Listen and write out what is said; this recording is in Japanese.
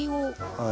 はい。